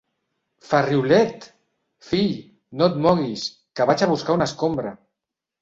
Ferrioleeet, fill, no et moguis, que vaig a buscar una escombra!